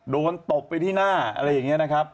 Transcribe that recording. ตบไปที่หน้าอะไรอย่างนี้นะครับ